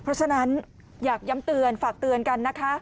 เพราะฉะนั้นอยากย้ำเตือนฝากเตือนกันนะคะ